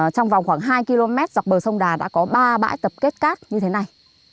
trong vòng khoảng hai km dọc bờ sông đà đã có ba bãi tập kết cát như thế này